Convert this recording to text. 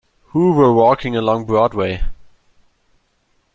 Who were walking along Broadway.